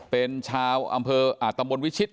เป็นชาวอำเภอตำบลวิชิต